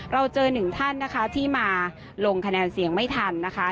เราเจอหนึ่งท่านนะคะที่มาลงคะแนนเสียงไม่ทันนะคะ